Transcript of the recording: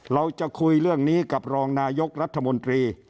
เราจะคุยเรื่องนี้กับรองนายกรัฐมนตรี